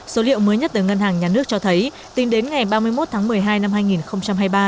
số liệu mới nhất từ ngân hàng nhà nước cho thấy tính đến ngày ba mươi một tháng một mươi hai năm hai nghìn hai mươi ba